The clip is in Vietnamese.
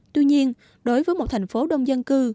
tuy nhiên đối với một thành phố đông dân cư